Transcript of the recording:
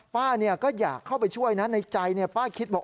ป้าก็อยากเข้าไปช่วยนะในใจป้าคิดบอก